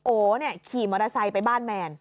โอเนี่ยขี่มอเตอร์ไซค์ไปบ้านแมน